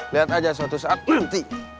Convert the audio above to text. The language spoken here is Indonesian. lihat aja suatu saat berhenti